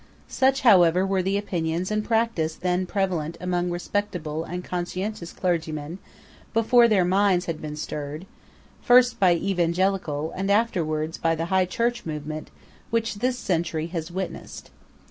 Such, however, were the opinions and practice then prevalent among respectable and conscientious clergymen before their minds had been stirred, first by the Evangelical, and afterwards by the High Church movement which this century has witnessed.